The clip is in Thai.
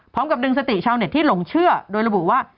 พร้อมกับดึงสติชาวเน็ตที่หลงเชื่อโดยระบุว่า